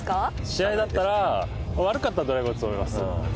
試合だったら悪かったらドライバー打つと思います。